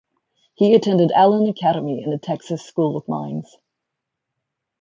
He attended Allen Academy and the Texas School of Mines.